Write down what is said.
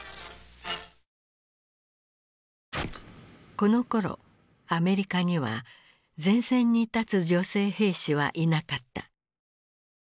このころアメリカには前線に立つ女性兵士はいなかった。